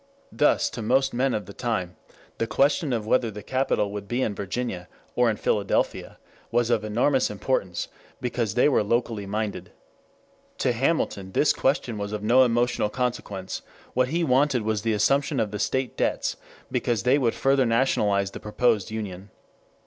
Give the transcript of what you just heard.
Thus to most men of the time the question of whether the capital should be in Virginia or in Philadelphia was of enormous importance, because they were locally minded. To Hamilton this question was of no emotional consequence; what he wanted was the assumption of the state debts because they would further nationalize the proposed union.